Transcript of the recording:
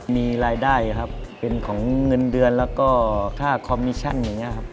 มีรายได้ครับเป็นของเงินเดือนแล้วก็ค่าคอมมิชั่นอย่างนี้ครับ